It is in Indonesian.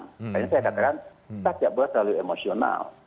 makanya saya katakan kita tidak boleh terlalu emosional